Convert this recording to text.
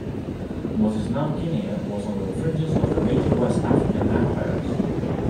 What is now Guinea was on the fringes of the major West African empires.